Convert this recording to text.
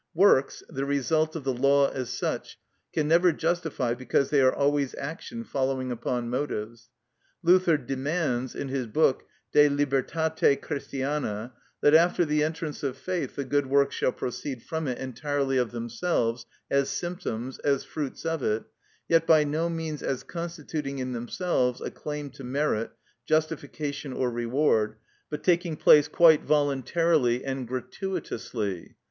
Works, the result of the law as such, can never justify, because they are always action following upon motives. Luther demands (in his book "De Libertate Christiana") that after the entrance of faith the good works shall proceed from it entirely of themselves, as symptoms, as fruits of it; yet by no means as constituting in themselves a claim to merit, justification, or reward, but taking place quite voluntarily and gratuitously.